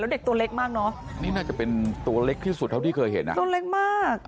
เด็กตัวเล็กมากเนอะนี่น่าจะเป็นตัวเล็กที่สุดเท่าที่เคยเห็นอ่ะตัวเล็กมาก